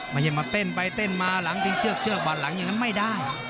ไม่ใช่มาเต้นไปเต้นมาหลังทิ้งเชือกเชือกบัดหลังอย่างนั้นไม่ได้